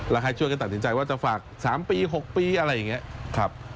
แล้วให้ช่วยกันตัดสินใจว่าจะฝาก๓ปี๖ปีอะไรอย่างนี้ครับ